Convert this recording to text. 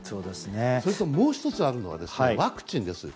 それともう１つあるのはワクチンです。